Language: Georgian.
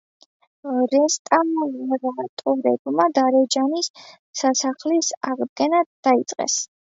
რესტავრატორებმა დარეჯანის სასახლის აღდგენა დაიწყეს